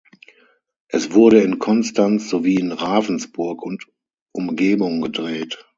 Es wurde in Konstanz sowie in Ravensburg und Umgebung gedreht.